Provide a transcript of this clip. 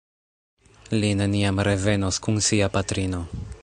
Li neniam revenos kun sia patrino.